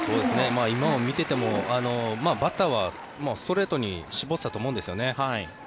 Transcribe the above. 今も見ててもバッターはストレートに絞っていたと思うんですね。